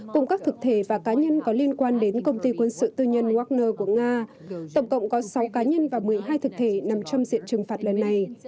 cùng các thực thể và cá nhân có liên quan đến công ty quân sự tư nhân wagner của nga tổng cộng có sáu cá nhân và một mươi hai thực thể nằm trong diện trừng phạt lần này